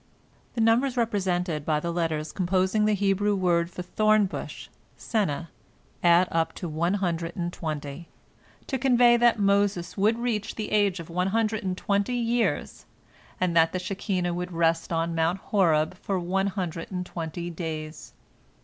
The numbers represented by the letters composing the Hebrew word for thorn bush, Seneh, add up to one hundred and twenty, to convey that Moses would reach the age of one hundred and twenty years, and that the Shekinah would rest on Mount Horeb for one hundred and twenty days.